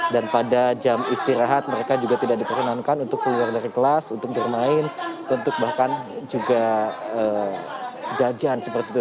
dan pada jam istirahat mereka juga tidak diperkenankan untuk keluar dari kelas untuk bermain untuk bahkan juga jajan